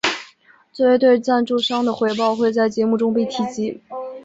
作为对赞助商的回报会在节目中被提及。